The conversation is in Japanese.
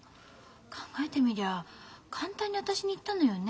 考えてみりゃ簡単に私に言ったのよね。